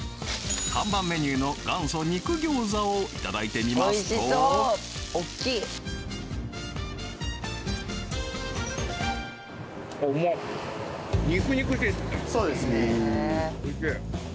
看板メニューの元祖肉餃子をいただいてみますとおいしい！